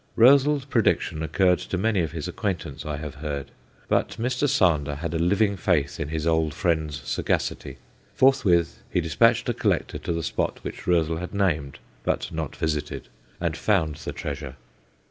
Roezl's prediction occurred to many of his acquaintance, I have heard; but Mr. Sander had a living faith in his old friend's sagacity. Forthwith he despatched a collector to the spot which Roezl had named but not visited and found the treasure.